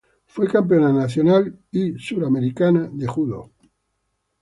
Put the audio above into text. Fue campeona nacional y suramericana de judo.